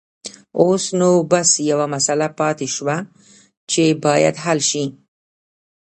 اوس نو بس يوه مسله پاتې شوه چې بايد حل شي.